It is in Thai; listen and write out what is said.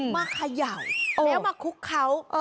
เขย่าแล้วมาคุกเขา